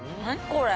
これ。